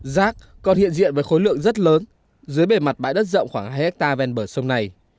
rác còn hiện diện với khối lượng rất lớn dưới bề mặt bãi đất rộng khoảng hai hectare ven bờ sông này